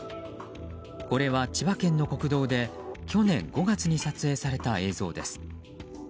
これは千葉県の国道で去年５月に撮影された映像です。